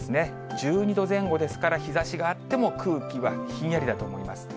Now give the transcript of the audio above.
１２度前後ですから、日ざしがあっても空気はひんやりだと思います。